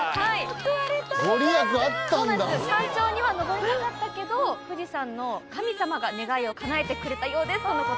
「山頂には登れなかったけど富士山の神様が願いをかなえてくれたようです」との事です。